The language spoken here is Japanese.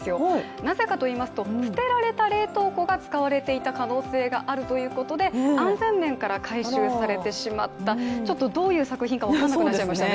なぜかといいますと、捨てられた冷凍庫が使われていた可能性があるということで安全面から回収されてしまった、どういう作品か分からなくなっちゃいましたね。